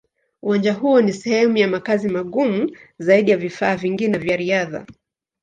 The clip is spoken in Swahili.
Uwanja huo ni sehemu ya makazi magumu zaidi ya vifaa vingine vya riadha.